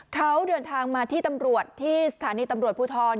เขาเดินทางมาที่ตำรวจที่สถานีตำรวจภูทร